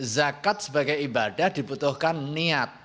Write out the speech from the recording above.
zakat sebagai ibadah dibutuhkan niat